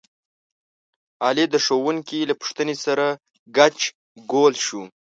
علي د ښوونکي له پوښتنې سره ګچ ګول شو.